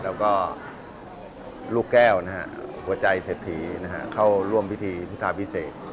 แล้วก็ลูกแก้วนะครับหัวใจเสร็จถีนะครับเข้าร่วมพิธีภิษภาพพิเศษ